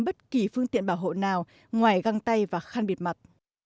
bất kỳ phương tiện bảo hộ nào ngoài găng tay và khăn biệt mặt